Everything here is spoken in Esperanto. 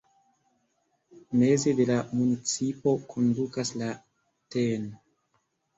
Meze de la municipo kondukas la tn.